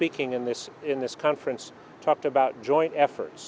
tôi nghĩ đó chính là cách thôi hả